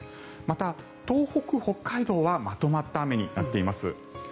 また、東北、北海道はまとまった雨になっています。